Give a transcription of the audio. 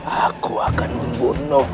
aku akan membunuhmu